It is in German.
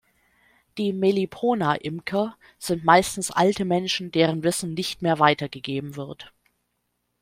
Die Melipona-Imker sind meistens alte Menschen, deren Wissen nicht mehr weitergegeben wird.